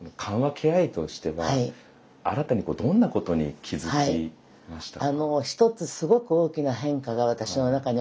ケア医としては新たにどんなことに気付きましたか？